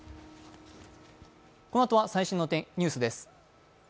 このあとは最新のニュースです。